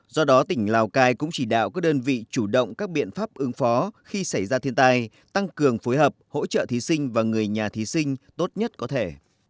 do đó tỉnh lào cai cũng chỉ đạo các đơn vị chủ động các biện pháp ứng phó khi xảy ra thiên tai tăng cường phối hợp hỗ trợ thí sinh và người nhà thí sinh tốt nhất có thể